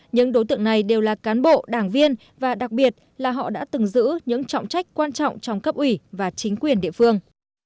những đối tượng này đều là cán bộ đảng viên và đặc biệt là họ đã từng giữ những trọng trách quan trọng trong cấp ủy và chính quyền địa phương